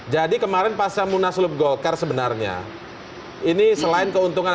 jadi kemarin pas saya mengambil frame luasnya pak saya tidak bicara cuma pilkada dki kalau begitu